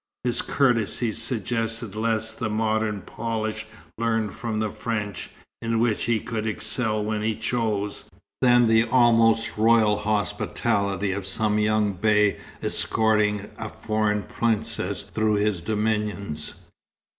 His courtesies suggested less the modern polish learned from the French (in which he could excel when he chose) than the almost royal hospitality of some young Bey escorting a foreign princess through his dominions.